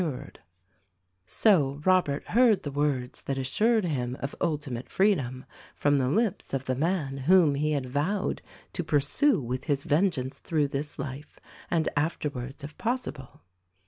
174 THE RECORDING ANGEL So Robert heard the words that assured him of ultimate freedom from the lips of the man whom he had vowed to pursue with his vengeance through this life, and after wards if possible.